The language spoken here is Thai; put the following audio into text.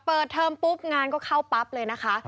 เทอมปุ๊บงานก็เข้าปั๊บเลยนะคะ